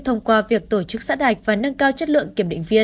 thông qua việc tổ chức xã đạch và nâng cao